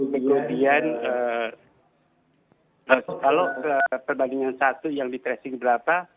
kemudian kalau perbandingan satu yang di tracing berapa